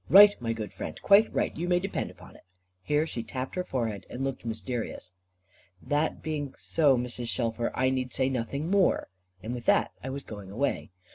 Right, my good friend, quite right, you may depend upon it." Here she tapped her forehead, and looked mysterious. "That being so, Mrs. Shelfer, I need say nothing more;" and with that I was going away.